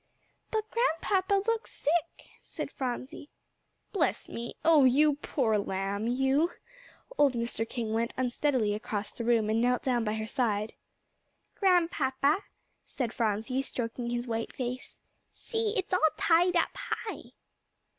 "But Grandpapa looks sick," said Phronsie. "Bless me oh, you poor lamb, you!" Old Mr. King went unsteadily across the room, and knelt down by her side. "Grandpapa," said Phronsie, stroking his white face, "see, it's all tied up high."